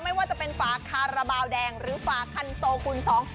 ไม่ว่าจะเป็นฝาคาราบาลแดงหรือฝาคันโซคูณสอง